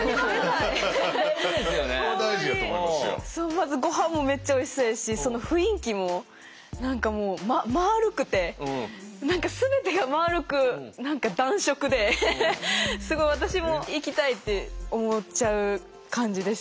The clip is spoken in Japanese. まずごはんもめっちゃおいしそうやしその雰囲気も何かもうまるくて何か全てが丸く何か暖色ですごい私も行きたいって思っちゃう感じでしたね。